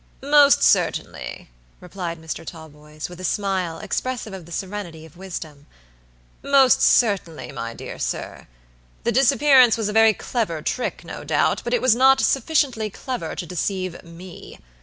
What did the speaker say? "Most certainly," replied Mr. Talboys, with a smile, expressive of the serenity of wisdom. "Most certainly, my dear sir. The disappearance was a very clever trick, no doubt, but it was not sufficiently clever to deceive me.